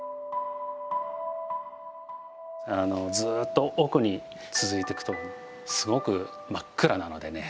ずっと奥に続いていくとすごく真っ暗なのでね